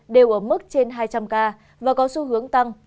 đều ở mức trên hai trăm linh ca và có xu hướng tăng